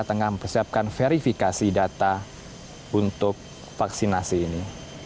tengah mempersiapkan verifikasi data untuk vaksinasi ini